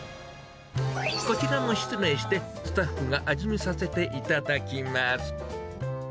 こちらも失礼して、スタッフが味見させていただきます。